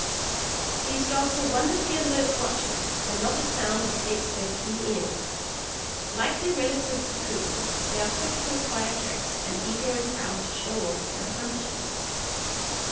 These dogs are wonderfully alert watchmen, and not a sound escapes their keen ears. Like their relatives the Poodles, they are quick to acquire tricks and eager and proud to "show off" their accomplishments.